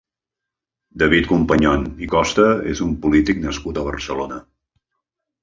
David Companyon i Costa és un polític nascut a Barcelona.